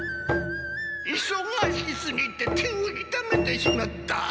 「いそがしすぎて手をいためてしまった」。